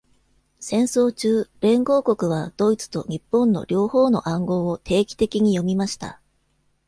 戦争中、連合国はドイツと日本の両方の暗号を定期的に読みました。